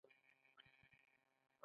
د سیستان حوزه له کومو سیندونو جوړه شوې؟